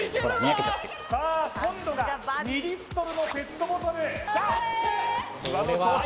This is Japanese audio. さあ今度が２リットルのペットボトル丹羽の挑戦